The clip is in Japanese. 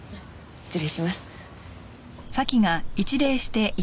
失礼します。